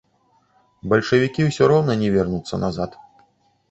Бальшавікі ўсё роўна не вернуцца назад.